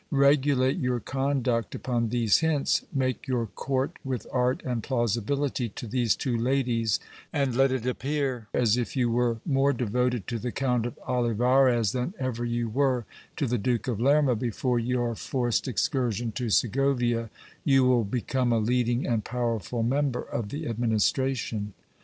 Regulate your conduct upon these hints : make your court with art and plausibility to these two ladies, and let it appear as if you were more devoted to the Count of Olivarez than ever you were to the Duke of Lerma before your forced excursion to Segovia ; you will become a leading and powerful member of the administration.